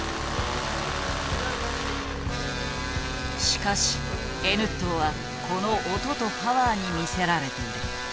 しかしＮットーはこの音とパワーに魅せられている。